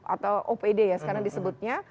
atau opd ya sekarang disebutnya